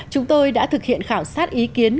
chúng tôi đã thực hiện khảo sát ý kiến